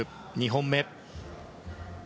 ２本目。